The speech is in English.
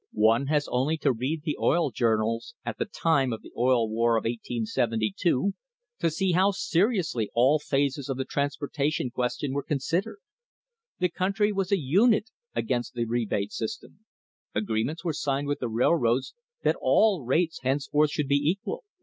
One has only to read the oil journals at the time of the Oil War of 1872 to see how seriously all phases of the transporta tion question were considered. The country was a unit against the rebate system. Agreements were signed with the railroads that all rates henceforth should be equal.